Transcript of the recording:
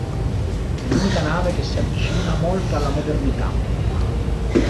È l'unica nave che si avvicina molto alla modernità.